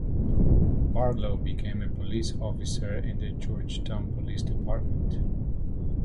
Barlow became a police officer in the Georgetown Police Dept.